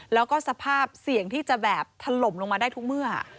แล้วก็สภาพเสี่ยงที่จะแบบถล่มลงมาได้ทุกเมื่อ